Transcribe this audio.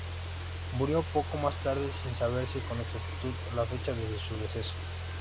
Murió poco más tarde, sin saberse con exactitud la fecha de su deceso.